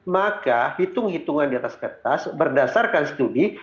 maka hitung hitungan diatas kertas berdasarkan studi